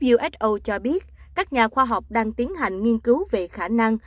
uso cho biết các nhà khoa học đang tiến hành nghiên cứu về khả năng